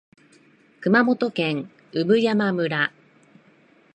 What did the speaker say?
熊本県産山村